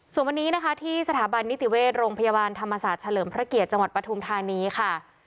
ส่วนวันนี้นะคะที่สถาบันนิติเวชโรงพยาบาลธรรมศาสตร์เฉลิมพระเกียรติจังหวัดปฐุมธานีค่ะ